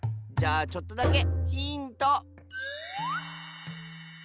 じゃあちょっとだけヒント！